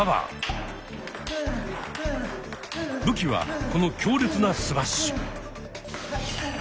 武器はこの強烈なスマッシュ。